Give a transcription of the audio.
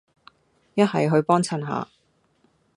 一係去幫襯下